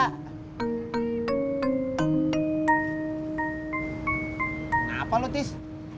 kenapa lu tis